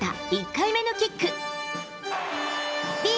１回目のキック。